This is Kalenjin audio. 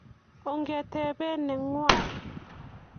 ongetebii ing'weny